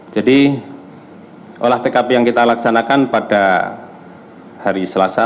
jadi olah tkp yang kita laksanakan pada hari sabtu